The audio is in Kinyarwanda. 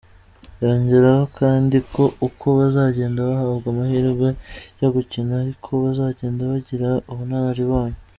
Yongeraho kandi ko uko bazagenda bahabwa amahirwe yo gukina ari ko bazagenda bagira ubunararibonye.